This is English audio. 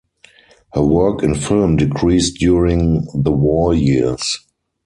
Her work in film decreased during the war years.